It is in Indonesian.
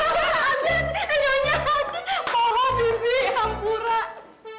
aduh apanya aden stpb sama papa aden